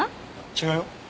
違うよ。